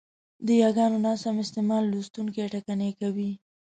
د یاګانو ناسم استعمال لوستوونکی ټکنی کوي،